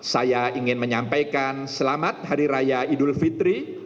saya ingin menyampaikan selamat hari raya idul fitri